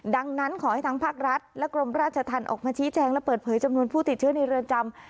ดังนั้นขอให้ทางภาครัฐและกรมราชธรรมออกมาชี้แจงและเปิดเผยจำนวนผู้ติดเชื้อในเรือนจำ